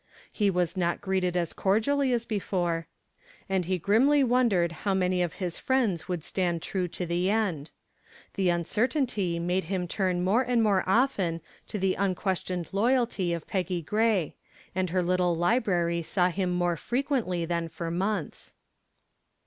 He was not greeted as cordially as before, and he grimly wondered how many of his friends would stand true to the end. The uncertainty made him turn more and more often to the unquestioned loyalty of Peggy Gray, and her little library saw him more frequently than for months.